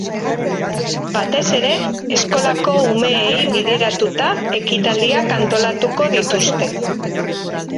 Batez ere, eskolako umeei bideratuta ekitaldiak antolatuko dituzte.